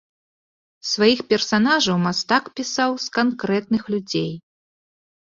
Сваіх персанажаў мастак пісаў з канкрэтных людзей.